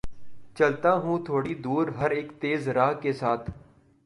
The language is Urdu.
چلتا ہوں تھوڑی دور‘ ہر اک تیز رو کے ساتھ